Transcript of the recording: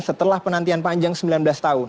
setelah penantian panjang sembilan belas tahun